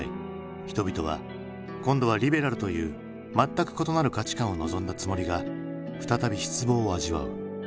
人々は今度はリベラルという全く異なる価値観を望んだつもりが再び失望を味わう。